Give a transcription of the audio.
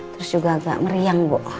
terus juga agak meriang bu